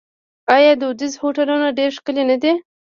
آیا دودیز هوټلونه ډیر ښکلي نه دي؟